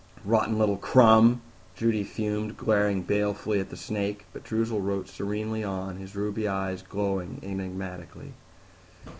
"Rotten little crumb," Judy fumed, glaring balefully at the snake. But Droozle wrote serenely on, his ruby eyes glowing enigmatically.